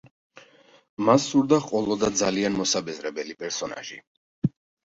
მას სურდა ჰყოლოდა ძალიან მოსაბეზრებელი პერსონაჟი.